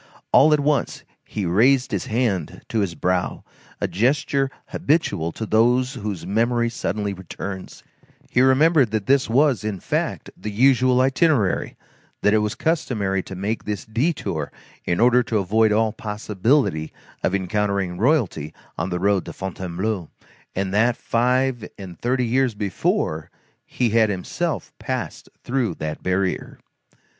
All at once, he raised his hand to his brow, a gesture habitual to those whose memory suddenly returns; he remembered that this was, in fact, the usual itinerary, that it was customary to make this detour in order to avoid all possibility of encountering royalty on the road to Fontainebleau, and that, five and thirty years before, he had himself passed through that barrier.